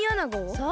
そう。